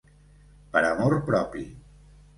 Per amor propi.